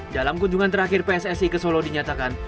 dalam kunjungan terakhir pssi ke solo dinyatakan